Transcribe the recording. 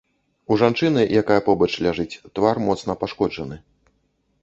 У жанчыны, якая побач ляжыць, твар моцна пашкоджаны.